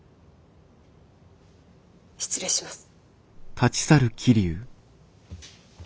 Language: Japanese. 失礼します。